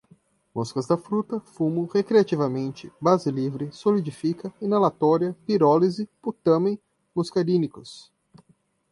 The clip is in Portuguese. moscas-da-fruta, fumo, recreativamente, base livre, solidifica, inalatória, pirólise, putâmen, muscarínicos